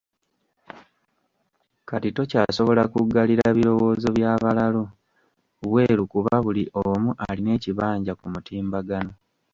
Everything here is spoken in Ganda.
Kati tokyasobola kuggalira birowoozo bya ‘balalu’ bweru kuba buli omu alina ekibanja ku mutimbagano